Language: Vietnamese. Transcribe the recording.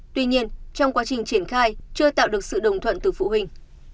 tuy nhiên trong quá trình triển khai chưa tạo được sự đồng thuận từ phụ huynh